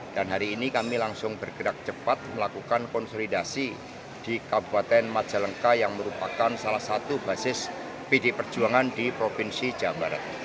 dan hari ini kami langsung bergerak cepat melakukan konsolidasi di kabupaten majalengka yang merupakan salah satu basis pd perjuangan di provinsi jawa barat